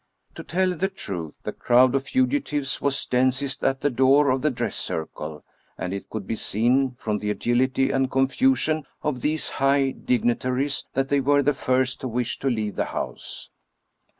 To tell the truth, the crowd of fugitives was densest at the door of the dress circle, and it could be seen, from the agility and confusion of these high dignitaries, that they were the first to wish to leave the house.